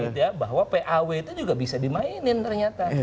baru kita ketahui bahwa paw itu juga bisa dimainin ternyata